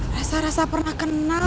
rasa rasa pernah kenal